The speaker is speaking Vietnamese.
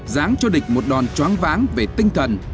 dáng cho địch một đòn choáng váng về tinh thần